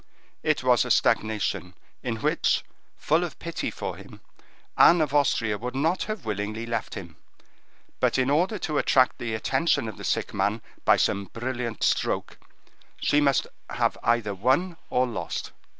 It was a stagnation in which, full of pity for him, Anne of Austria would not have willingly left him; but in order to attract the attention of the sick man by some brilliant stroke, she must have either won or lost.